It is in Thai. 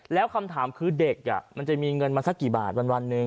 แล้วคำถามคือเด็กมันจะมีเงินมาสักกี่บาทวันหนึ่ง